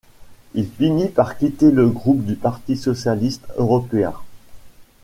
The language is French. Il finit par quitter le groupe du Parti socialiste européen.